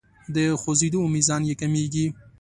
د خوځیدو میزان یې کمیږي.